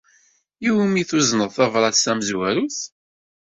I wumi tuzneḍ tabṛat tamezwarut?